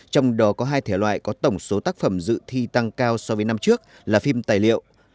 trong đó có hai thể loại có tổng số tác phẩm dự thi tăng cao so với năm trước là phim tài liệu